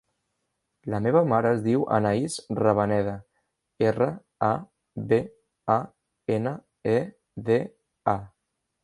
La meva mare es diu Anaïs Rabaneda: erra, a, be, a, ena, e, de, a.